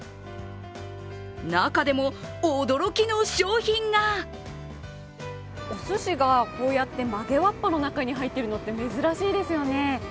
中でも、驚きの商品がおすしがこうやって曲げわっぱの中に入ってるのって珍しいですよね。